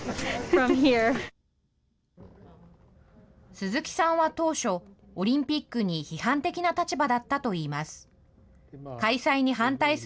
鈴木さんは当初、オリンピックに批判的な立場だったといいます。